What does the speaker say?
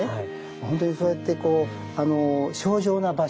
本当にそういってこう清浄な場所。